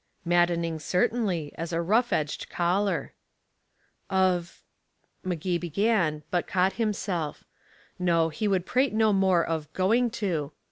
Maddening certainly, as a rough edged collar. "Of " Magee began, but caught himself. No, he would prate no more of 'going to'.